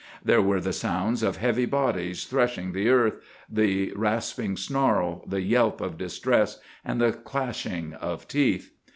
There were the sounds of heavy bodies threshing the earth, the rasping snarl, the yelp of distress, and the clashing of teeth.